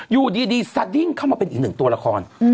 อยู่ดีสดิ้งเข้ามาเป็นอีกหนึ่งตัวละคร